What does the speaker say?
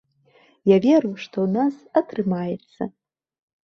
Я веру, што ў нас атрымаецца.